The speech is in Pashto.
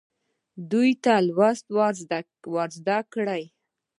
دوی ته لوست ورزده کړئ.